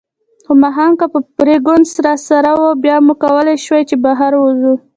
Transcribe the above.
خو ماښام که به فرګوسن راسره وه، بیا مو کولای شوای چې بهر ووځو.